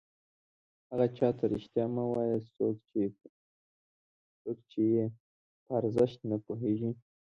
هغه چاته رښتیا مه وایه څوک چې یې په ارزښت نه پوهېږي.